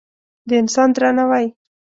د انسان درناوی